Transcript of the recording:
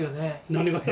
何が？